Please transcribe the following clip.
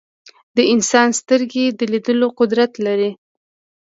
د انسان سترګې د لیدلو قدرت لري.